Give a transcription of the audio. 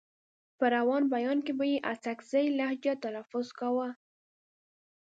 په روان بيان کې به يې په اڅکزۍ لهجه تلفظ کاوه.